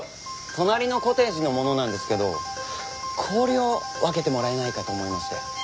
隣のコテージの者なんですけど氷を分けてもらえないかと思いまして。